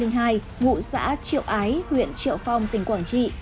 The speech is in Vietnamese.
ngụ xã triệu ái huyện triệu phong tỉnh quảng trị